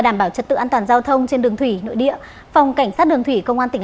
đảm bảo trật tự an toàn giao thông trên đường thủy nội địa phòng cảnh sát đường thủy công an tỉnh